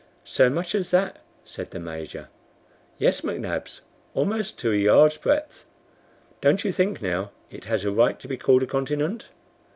"So much as that?" said the Major. "Yes, McNabbs, almost to a yard's breadth. Don't you think now it has a right to be called a continent?"